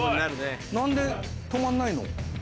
・何で止まんないの？